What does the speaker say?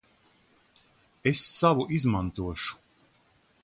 Es savu izmantošu.